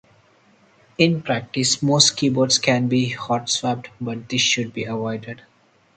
In practice most keyboards can be hot swapped but this should be avoided.